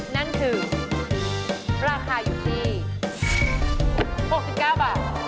นั่นคือราคาอยู่ที่๖๙บาท